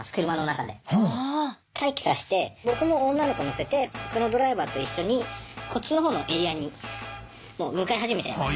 待機させて僕も女の子乗せてほかのドライバーと一緒にこっちの方のエリアにもう向かい始めちゃいます。